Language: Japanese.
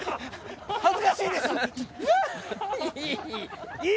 恥ずかしいです‼わっ！